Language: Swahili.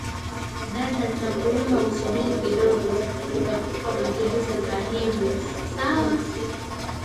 "Dada nitakuomba usubiri kidogo tutakupa majibu Sasa hivi…sawa